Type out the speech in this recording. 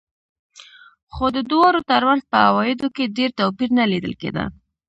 خو د دواړو ترمنځ په عوایدو کې ډېر توپیر نه لیدل کېده.